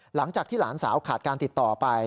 หลังจากที่หลานสาวขาดการติดต่อไป